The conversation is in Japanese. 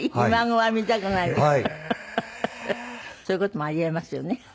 そういう事もあり得ますよね。